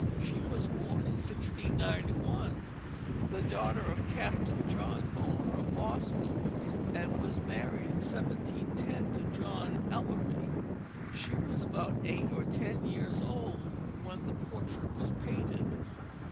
She was born in 1691, the daughter of Captain John Bonner of Boston, and was married in 1710 to John Ellery. She was about eight or ten years old when the portrait was painted.